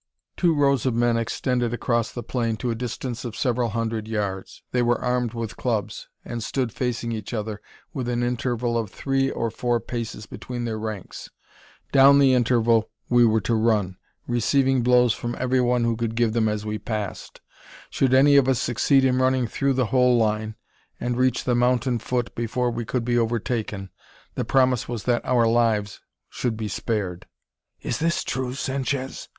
Two rows of men extended across the plain to a distance of several hundred yards. They were armed with clubs, and stood facing each other with an interval of three or four paces between their ranks. Down the interval we were to run, receiving blows from everyone who could give them as we passed. Should any of us succeed in running through the whole line, and reach the mountain foot before we could be overtaken, the promise was that our lives should be spared! "Is this true, Sanchez?"